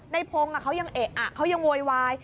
ในพงศ์เขายังเอะอะเขายังโวยวาย